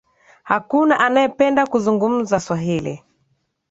Hakuna anaye penda kuzungumza swahili